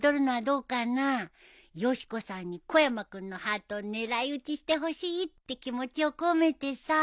よし子さんに小山君のハートを狙いうちしてほしいって気持ちを込めてさ。